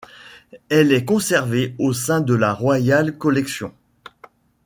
Elle est conservée au sein de la Royal Collection.